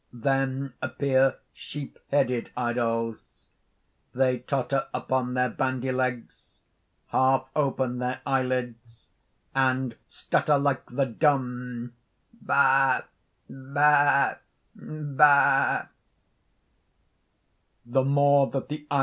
Then appear sheep headed idols. They totter upon their bandy legs, half open their eye lids, and stutter like the dumb,_ "Ba! ba! ba!"